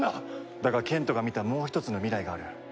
だが賢人が見たもう一つの未来がある。